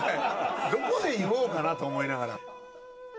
どこで言おうかなと思いながら。